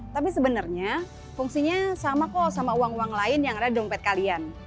tapi sebenarnya fungsinya sama kok sama uang uang lain yang ada di dompet kalian